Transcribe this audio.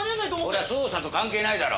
これは捜査と関係ないだろ。